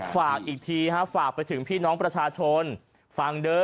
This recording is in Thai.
ฝากอีกทีฮะฝากไปถึงพี่น้องประชาชนฟังเด้อ